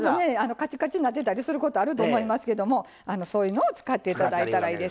カチカチになってたりすることあると思いますけどそういうのを使っていただいたらええと思います。